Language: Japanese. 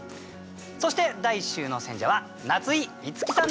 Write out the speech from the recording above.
そして第１週の選者は夏井いつきさんです。